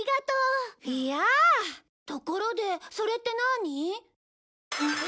ところでそれってなあに？